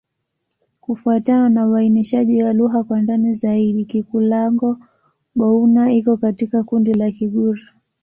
Kufuatana na uainishaji wa lugha kwa ndani zaidi, Kikulango-Bouna iko katika kundi la Kigur.